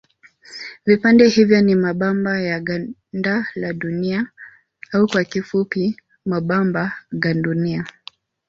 Vipande hivyo ni mabamba ya ganda la Dunia au kwa kifupi mabamba gandunia.